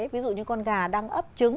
ví dụ như con gà đang ấp trứng